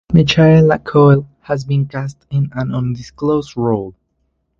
Michaela Coel has been cast in an undisclosed role.